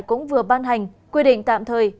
cũng vừa ban hành quy định tạm thời